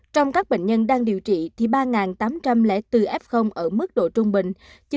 trong các bệnh nhân đang điều trị ba tám trăm linh bốn ép không ở mức độ trung bình